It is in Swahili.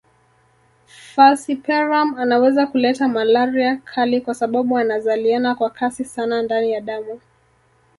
Falciparum anaweza kuleta malaria kali kwa sababu anazaliana kwa kasi sana ndani ya damu